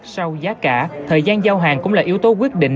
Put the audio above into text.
sau giá cả thời gian giao hàng cũng là yếu tố quyết định